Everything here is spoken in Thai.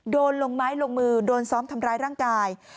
ลงไม้ลงมือโดนซ้อมทำร้ายร่างกาย